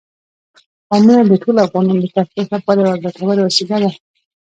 قومونه د ټولو افغانانو د تفریح لپاره یوه ګټوره وسیله ده.